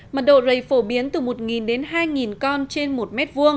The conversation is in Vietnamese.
mật độ rầy phổ biến từ một đến hai con trên một m hai